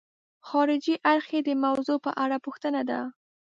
خارجي اړخ یې د موضوع په اړه پوښتنه ده.